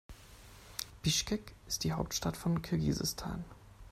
Bischkek ist die Hauptstadt von Kirgisistan.